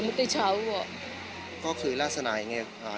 มันไม่ใช่แหละมันไม่ใช่แหละ